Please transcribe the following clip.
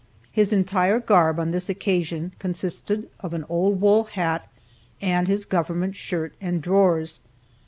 His entire garb, on this occasion, consisted of an old wool hat and his government shirt and drawers.